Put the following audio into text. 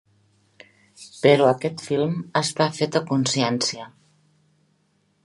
Però aquest film està fet a consciència.